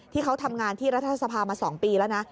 ที่เขาทำงานที่รัฐสภามา๒ปีแล้วนะ